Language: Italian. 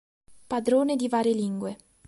Padrone di varie lingue.